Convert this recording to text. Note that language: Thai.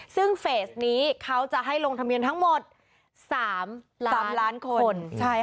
ซึ่งเฟสนี้เขาจะให้ลงทะเบียนทั้งหมด๓ล้านคน